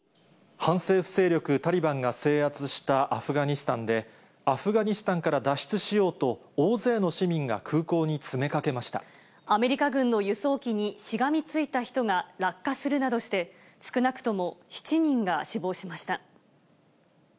反政府勢力タリバンが制圧したアフガニスタンで、アフガニスタンから脱出しようと、大勢の市アメリカ軍の輸送機にしがみついた人が落下するなどして、少なくとも７人が死亡しました。